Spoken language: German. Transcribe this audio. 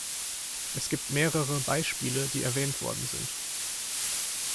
Es gibt mehrere Beispiele, die erwähnt worden sind.